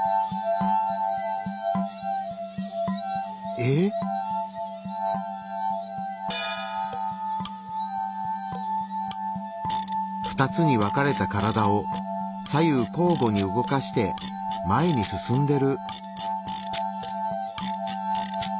えっ⁉２つに分かれた体を左右こうごに動かして前に進んでる。